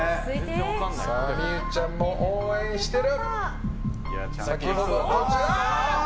美結ちゃんも応援してる！